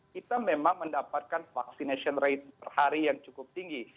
kita memang mendapatkan vaksinasi per hari yang cukup tinggi